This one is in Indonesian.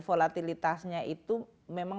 volatilitasnya itu memang